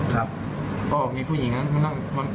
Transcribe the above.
ครับก็มีผู้หญิงนั้นมานั่ง